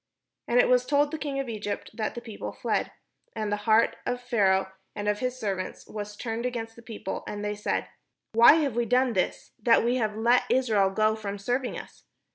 And it was told the king of Egypt that the people fled; and the heart of Pharaoh and of his servants was turned against the people, and they said, "Why have we done this, that we have let Israel go from serving us?"